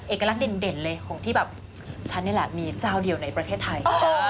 เอกลักษณ์เด่นเลยของที่แบบฉันนี่แหละมีเจ้าเดียวในประเทศไทย